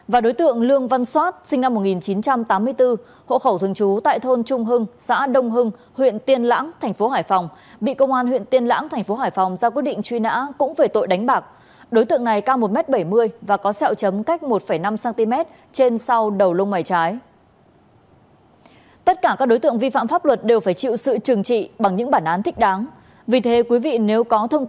và đối tượng lương văn soát sinh năm một nghìn chín trăm tám mươi bốn hộ khẩu thường trú tại thôn trung hưng xã đông hưng huyện tiên lãng thành phố hải phòng bị công an huyện tiên lãng thành phố hải phòng ra quyết định truy nã cũng về tội đánh bạc